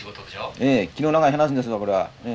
ええ気の長い話ですわこれはええ。